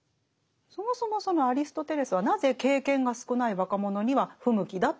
そもそもそのアリストテレスはなぜ経験が少ない若者には不向きだって言ってるんですか？